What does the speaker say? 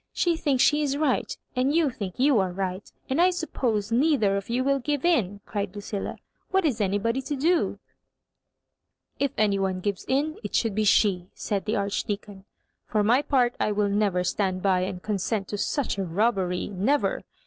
She thinks she is right, and you think you are right ; and I suppose neither of you will give in," cried LuciUa. " What is anybody to do ?"" If any one gives in, it slioold be she," said the Archdeacon. Por my part, I will never stand by and consent«to such a robbery, — never.